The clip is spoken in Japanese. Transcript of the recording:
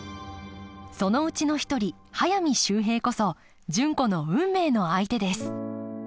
そのうちの一人速水秀平こそ純子の運命の相手です